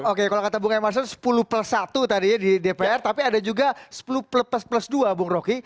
oke kalau kata bung emerson sepuluh plus satu tadi ya di dpr tapi ada juga sepuluh plus plus dua bung roky